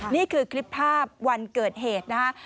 นี่คือคลิปภาพวันเกิดเหตุนะฮะ